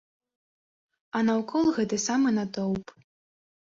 А наўкол гэты самы натоўп.